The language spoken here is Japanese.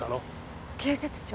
警察庁？